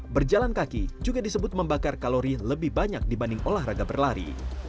berjalan kaki juga disebut membakar kalori lebih banyak dibanding olahraga berlari